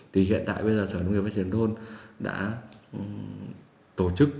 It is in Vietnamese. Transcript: thì hiện tại bây giờ sở nông nghiệp phát triển thôn đã tổ chức